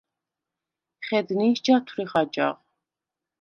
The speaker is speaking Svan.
ხედ ნინს ჯათვრიხ აჯაღ?